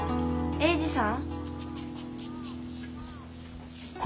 英治さん。